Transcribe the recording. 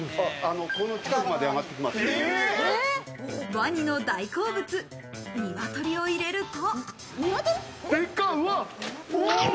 ワニの大好物・ニワトリを入れると。